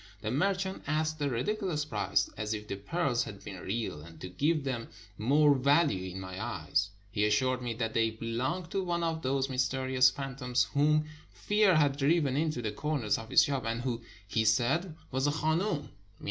The merchant asked a ridicu lous price, as if the pearls had been real; and to give them more value in my eyes, he assured me that they belonged to one of those mysterious phantoms whom fear had driven into the corner of his shop, and who, he said, was a khanoum (i.